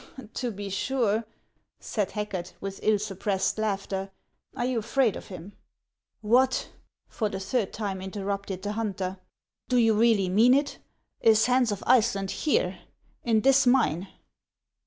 " To be sure," said Hacket, with ill suppressed laughter ;" are you afraid of him ?" "What!" for the third time interrupted the hunter; " do you really mean it, — is Hans of Iceland here, in this mine